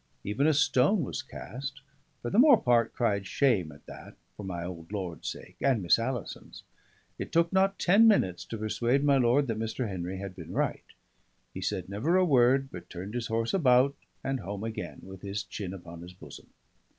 Even a stone was cast; but the more part cried shame at that, for my old lord's sake, and Miss Alison's. It took not ten minutes to persuade my lord that Mr. Henry had been right. He said never a word, but turned his horse about, and home again, with his chin upon his bosom.